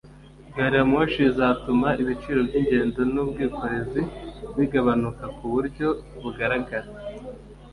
gariyamoshi izatuma ibiciro by’ingendo n’ubwikorezi bigabanuka ku buryo bugaragara